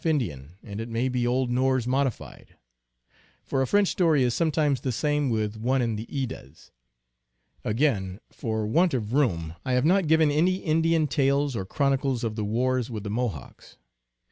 Indian, and it may be old Norse modified; for a French story is sometimes the same with one in the Eddas. Again, for want of room I have not given any Indian tales or chronicles of the wars with the Mo hawks.